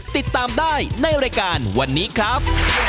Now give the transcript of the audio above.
ติดตามได้ในรายการวันนี้ครับ